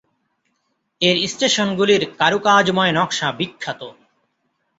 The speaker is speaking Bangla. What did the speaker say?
এর স্টেশনগুলির কারুকাজময় নকশা বিখ্যাত।